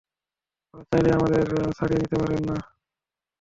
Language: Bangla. ওরা চাইলেই, আমাদের তাড়িয়ে দিতে পারে না।